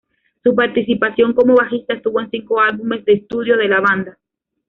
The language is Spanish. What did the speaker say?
Su participación como bajista estuvo en cinco álbumes de estudio de la banda.